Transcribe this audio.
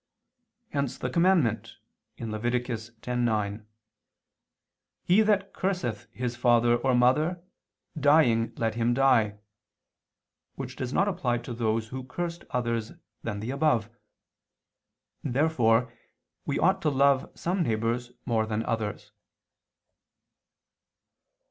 Hence the commandment (Lev. 10:9), "He that curseth his father or mother, dying let him die," which does not apply to those who cursed others than the above. Therefore we ought to love some neighbors more than others.